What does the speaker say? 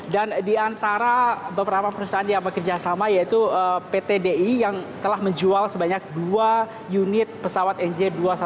dan di antara beberapa perusahaan yang bekerjasama yaitu pt di yang telah menjual sebanyak dua unit pesawat nj dua ratus dua belas dua ratus